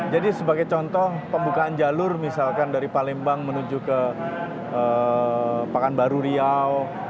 jadi sebagai contoh pembukaan jalur misalkan dari palembang menuju ke pakanbaru riau